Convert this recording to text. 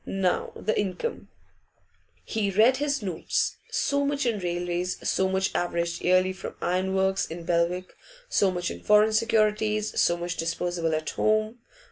Now the income.' He read his notes: So much in railways, so much averaged yearly from iron works in Belwick, so much in foreign securities, so much disposable at home.